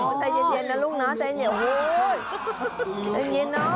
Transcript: ใจเย็นนะลูกใจเหนียว